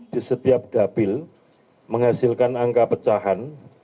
di setiap dapil menghasilkan angka pecahan